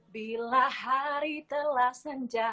bila hari telah senja